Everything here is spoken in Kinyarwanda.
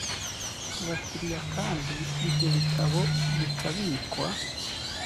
abakiriya kandi ibyo bitabo bikabikwa